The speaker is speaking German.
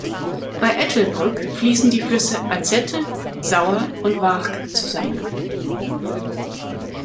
Bei Ettelbrück fließen die Flüsse Alzette, Sauer und Wark zusammen.